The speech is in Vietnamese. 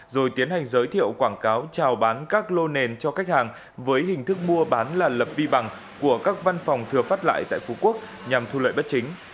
rồi tiến hành giới thiệu quảng cáo trào bán các lô nền cho khách hàng với hình thức mua bán là lập vi bằng của các văn phòng thừa phát lại tại phú quốc nhằm thu lợi bất chính